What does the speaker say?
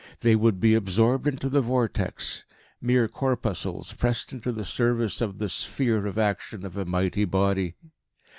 They would be absorbed into the vortex, mere corpuscles pressed into the service of this sphere of action of a mighty Body....